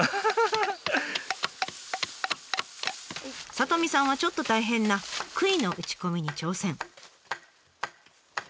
里美さんはちょっと大変なくいの打ち込みに挑戦。